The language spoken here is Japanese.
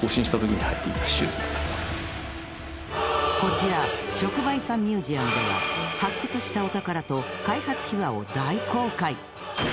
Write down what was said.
こちら「職場遺産ミュージアム」では発掘したお宝と開発秘話を大公開！